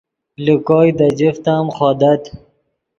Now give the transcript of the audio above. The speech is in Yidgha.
لے کوئے دے جفت ام خودت